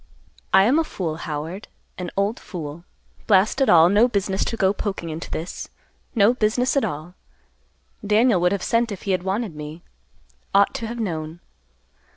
"I am a fool, Howard, an old fool. Blast it all; no business to go poking into this; no business at all! Daniel would have sent if he had wanted me. Ought to have known.